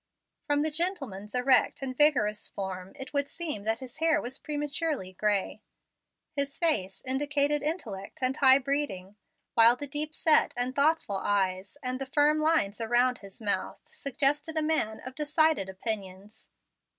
From the gentleman's erect and vigorous form it would seem that his hair was prematurely gray. His face indicated intellect and high breeding, while the deep set and thoughtful eyes, and the firm lines around his mouth, suggested a man of decided opinions.